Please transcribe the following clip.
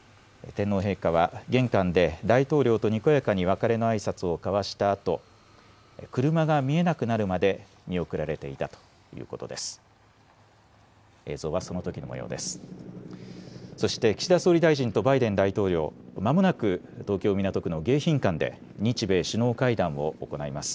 天皇陛下は玄関で大統領とにこやかに別れのあいさつを交わしたあと、車が見えなくなるまで見送られていたということです。